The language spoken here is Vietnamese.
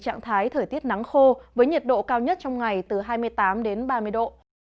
trạng thái thời tiết nắng khô với nhiệt độ cao nhất trong ngày từ hai mươi tám đến ba mươi độ